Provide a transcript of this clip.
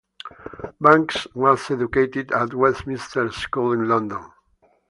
Banks was educated at Westminster School in London.